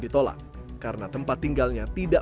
wih nggak tahu lah saya bilang lagi pak